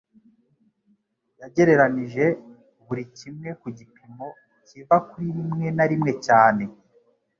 yagereranije buri kimwe ku gipimo kiva kuri rimwe na rimwe cyane